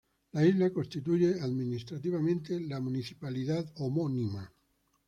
La isla constituye administrativamente la municipalidad homónima.